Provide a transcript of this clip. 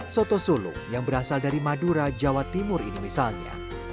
soto solo yang berasal dari madura jawa timur ini misalnya